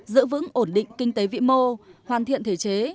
giữ vững ổn định kinh tế vĩ mô hoàn thiện thể chế